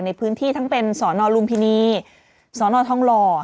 ในพื้นที่ทั้งเป็นสอนอลุงพินีสอนอลท่องลอ